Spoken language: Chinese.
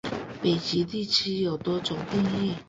北极地区有多种定义。